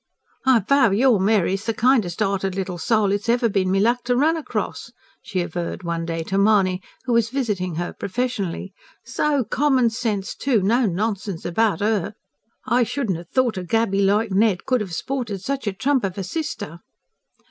"I vow your Mary's the kindest hearted little soul it's ever been me luck to run across," she averred one day to Mahony, who was visiting her professionally. "So common sense, too no nonsense about HER! I shouldn't have thought a gaby like Ned could have sported such trump of a sister."